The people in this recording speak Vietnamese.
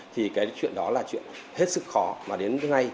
thì cái chuyện đó là chuyện hết sức khó mà đến nay